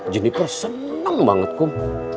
juniper seneng banget kum